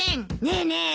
ねえねえ